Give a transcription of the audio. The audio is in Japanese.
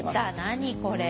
何これ。